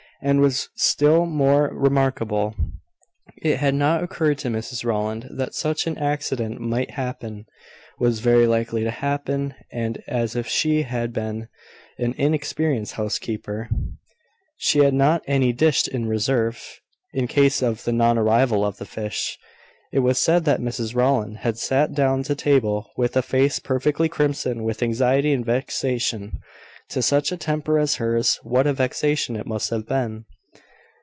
And what was still more remarkable, it had not occurred to Mrs Rowland that such an accident might happen was very likely to happen; and, as if she had been an inexperienced housekeeper, she had not any dish in reserve, in case of the non arrival of the fish. It was said that Mrs Rowland had sat down to table with a face perfectly crimson with anxiety and vexation. To such a temper as hers, what a vexation it must have been!